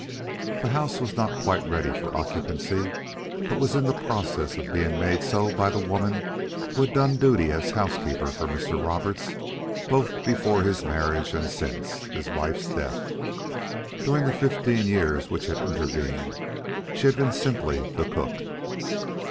The house was not quite ready for occupancy, but was in the process of being made so by the woman who had done duty as housekeeper for Mr. Roberts both before his marriage and since his wife's death. During the fifteen years which had intervened, she had been simply the cook.